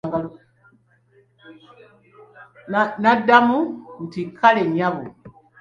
Naddmu nti kaale nnyabo.